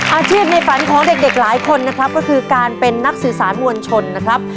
อาชีพในฝันของเด็กหลายคนนะครับก็คือการเป็นนักสื่อสารมวลชนนะครับ